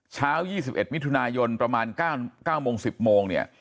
เช้า๒๑มิถุนายนประมาณ๙๑๐โมงเนี่ย